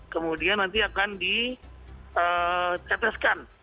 kemudian nanti akan diceteskan